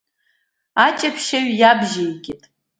Аҷаԥшьаҩ иабжьеигеит.